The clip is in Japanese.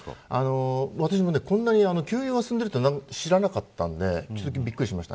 私もこんなに休業が進んでいると知らなかったのでびっくりしました。